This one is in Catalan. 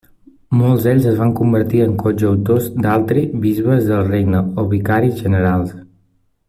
Molts d'ells es van convertir en coadjutors d'Altri bisbes del regne o vicaris generals.